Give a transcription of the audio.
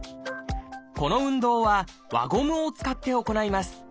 この運動は輪ゴムを使って行います。